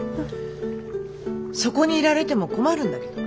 そこにいられても困るんだけど。